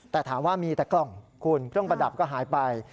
แต่ถามว่ามีแต่กล่องคุณเครื่องประดับก็หายไป